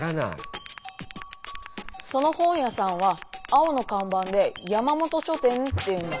その本屋さんは青のかんばんで山本書店っていうんだ。